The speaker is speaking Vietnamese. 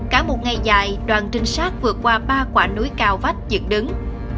cả một ngày dài đoàn trinh sát vượt qua ba quả núi cao vách dựng đứng